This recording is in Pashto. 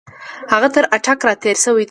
هغه تر اټک را تېر شوی دی.